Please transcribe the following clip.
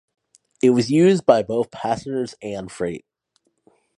It was used by both passengers and freight.